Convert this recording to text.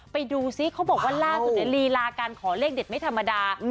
ไปดูซิเขาบอกว่าล่าสุดในลีลาการขอเลขเด็ดไม่ธรรมดา